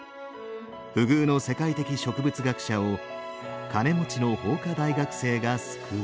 不遇の世界的植物学者を金持の法科大学生が救う」。